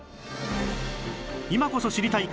今こそ知りたい！